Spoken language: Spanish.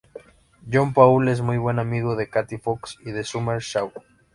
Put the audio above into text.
John Paul es muy buen amigo de Katy Fox y de Summer Shaw.